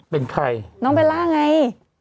เป็นใครน้องเบลล่าไง